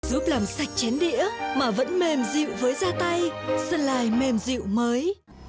giúp làm sạch chén đĩa mà vẫn mềm dịu với da tay sân lại mềm dịu mới